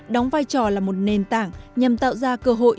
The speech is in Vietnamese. đóng vai trò là một nền tảng nhằm tạo ra cơ hội